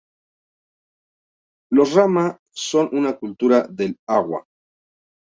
Los rama son una cultura del agua.